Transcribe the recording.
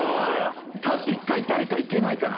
立って誰か行けないかな？